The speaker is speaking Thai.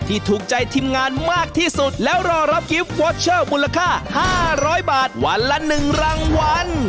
ทิฟต์วอร์เชอร์มูลค่า๕๐๐บาทวันละ๑รางวัล